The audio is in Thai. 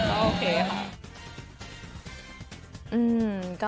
โอเคค่ะ